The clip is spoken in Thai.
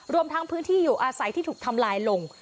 รวมทั้งพื้นที่อยู่อาศัยที่ถูกทำลายลง